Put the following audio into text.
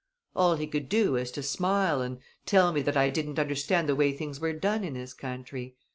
All he could do was to smile and tell me that I didn't understand the way things were done in this country.